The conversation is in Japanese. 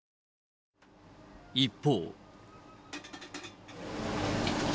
一方。